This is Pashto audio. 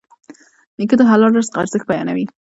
نیکه د حلال رزق ارزښت بیانوي.